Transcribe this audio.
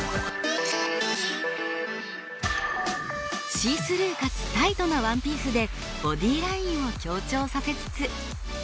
シースルーかつタイトなワンピースでボディラインを強調させつつ。